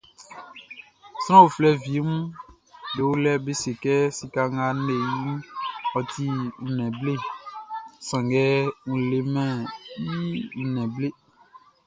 Sran uflɛ wieʼm be o lɛʼn, be se kɛ sika nga n le iʼn, ɔ ti nnɛn ngble, sanngɛ n lemɛn i nnɛn ngble.